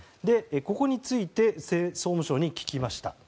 ここについて総務省に聞きました。